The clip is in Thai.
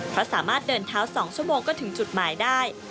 เพราะสามารถเดินเท้า๒ชั่วโมงก็ถึงจุดหมายได้